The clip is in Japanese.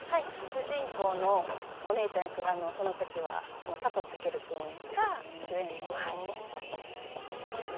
主人公のお姉ちゃん役その時は佐藤健君が主演で。